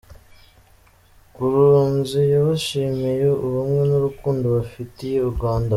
Nkurunzi yabashimiye ubumwe n’urukundo bafitiye u Rwanda.